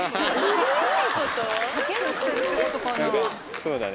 そうだね。